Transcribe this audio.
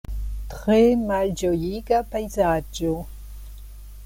Tre malĝojiga pejzaĝo.